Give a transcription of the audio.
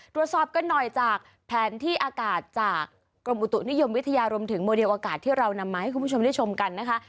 ตรวจสอบกันหน่อยจากแผนที่อากาศจากกรมอุตุนิยมวิทยารวมถึงโมเดลอากาศที่เรานำมาให้คุณผู้ชมได้ชมกันนะคะ